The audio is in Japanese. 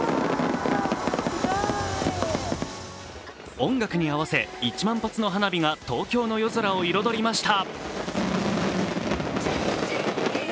音楽に合わせ、１万発の花火が東京の夜空を彩りました。